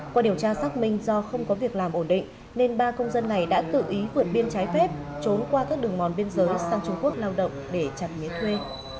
qua điều tra xác minh do không có việc làm ổn định nên ba công dân này đã tự ý vượt biên trái phép trốn qua các đường mòn biên giới sang trung quốc lao động để chặt mía thuê